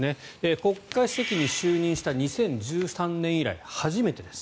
国家主席に就任した２０１３年以来初めてです。